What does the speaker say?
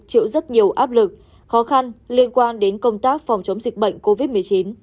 chịu rất nhiều áp lực khó khăn liên quan đến công tác phòng chống dịch bệnh covid một mươi chín